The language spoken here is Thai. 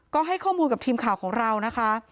ก็ให้ข้อมูลกับทีมข่าวของเรานะคะ